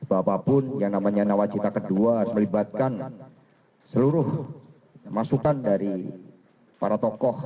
apapun yang namanya nawacita kedua harus melibatkan seluruh masukan dari para tokoh